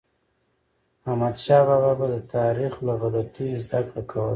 احمدشاه بابا به د تاریخ له غلطیو زدهکړه کوله.